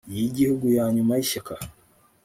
y igihugu ya nyuma y ishyaka